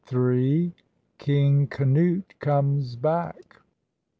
"KING CANUTE" COMES BACK.